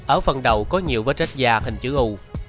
ở phần đầu có nhiều vết rách da hình chữ u